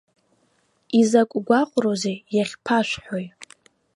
Изакә гәаҟрозеи, иахьԥашәҳәои!